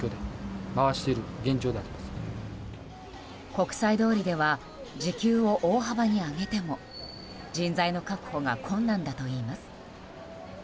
国際通りでは時給を大幅に上げても人材の確保が困難だといいます。